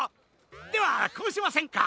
ではこうしませんか？